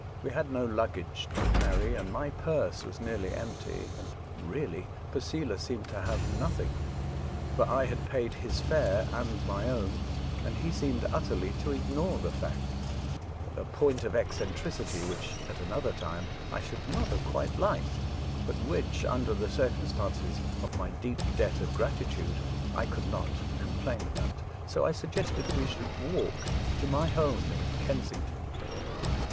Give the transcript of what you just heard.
We had no luggage to carry, and my purse was nearly empty; and, really, Posela seemed to have nothing, for I had paid his fare and my own, and he seemed utterly to ignore the fact, a point of eccentricity which at another time I should not have quite liked ; but which, under the circumstances of my deep debt of gratitude, I could not complain about, so I suggested we should walk to my home in Kensington.